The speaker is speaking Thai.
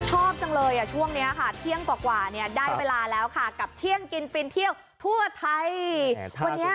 ชอบจังเลยช่วงนี้ค่ะเที่ยงกว่าเนี่ยได้เวลาแล้วค่ะกับเที่ยงกินฟินเที่ยวทั่วไทยวันนี้